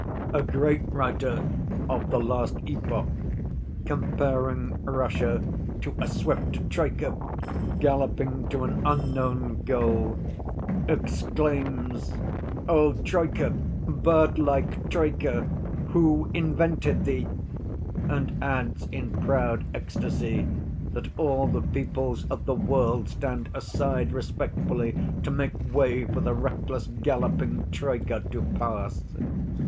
"A great writer of the last epoch, comparing Russia to a swift troika galloping to an unknown goal, exclaims, 'Oh, troika, birdlike troika, who invented thee!' and adds, in proud ecstasy, that all the peoples of the world stand aside respectfully to make way for the recklessly galloping troika to pass.